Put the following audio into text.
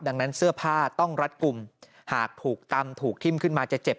ดังนั้นเสื้อผ้าต้องรัดกลุ่มหากถูกตำถูกทิ้มขึ้นมาจะเจ็บ